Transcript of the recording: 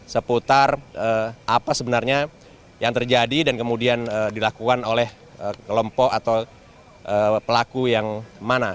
seputar apa sebenarnya yang terjadi dan kemudian dilakukan oleh kelompok atau pelaku yang mana